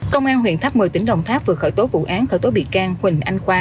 công an huyện tháp một mươi tỉnh đồng tháp vừa khởi tố vụ án khởi tố bị can huỳnh anh khoa